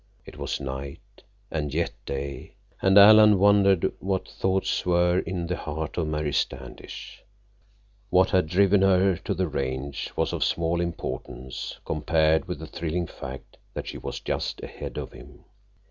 It was night and yet day, and Alan wondered what thoughts were in the heart of Mary Standish. What had driven her to the Range was of small importance compared with the thrilling fact that she was just ahead of him.